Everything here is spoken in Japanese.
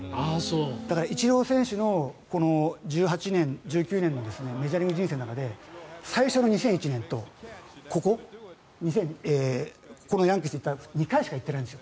だからイチロー選手の１８年、１９年のメジャーリーグ人生の中で最初の２００１年とこのヤンキースに行った２回しか行ってないんです。